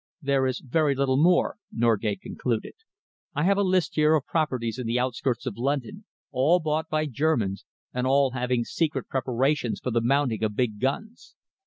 "There is very little more," Norgate concluded. "I have a list here of properties in the outskirts of London, all bought by Germans, and all having secret preparations for the mounting of big guns.